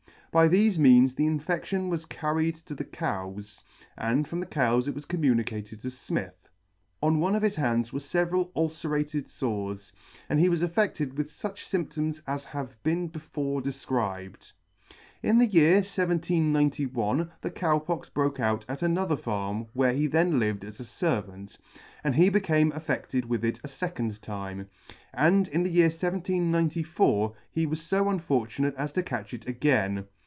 By thefe means the infedion [ 21 3 infedlion was carried to the cows, and from the cows it was communicated to Smith. On one of his hands were feveral ulcerated fores, and he was affedted with fuch fy mptoms as have been before defcribed. In the year 1791 the Cow Pox broke out at another farm where he then lived as a fervant, and he became affedted with it a fecond time ; and in the year 1794 he was fo unfortunate as to catch it again.